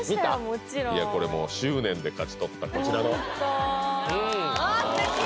もちろんこれもう執念で勝ち取ったこちらのわぁすてき！